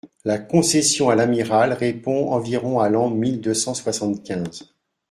La concession à l'amiral répond environ à l'an mille deux cent soixante-quinze.